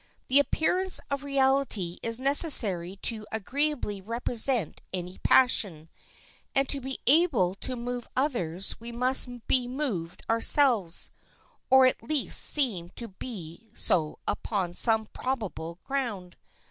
The appearance of reality is necessary to agreeably represent any passion, and to be able to move others we must be moved ourselves, or at least seem to be so upon some probable ground.